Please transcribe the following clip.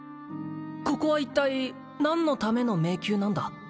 ここは一体何のための迷宮なんだ？